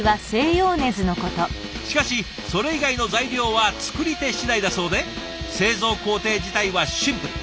しかしそれ以外の材料は作り手次第だそうで製造工程自体はシンプル。